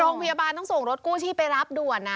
โรงพยาบาลต้องส่งรถกู้ชีพไปรับด่วนนะ